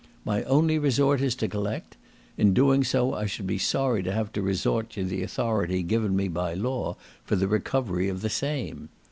My only resort is to collect; in doing so I should be sorry to have to resort to the authority given me by law for the recovery of the same.